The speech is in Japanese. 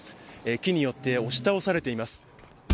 木によって押し倒されています。